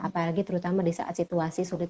apalagi terutama disaat situasi sulit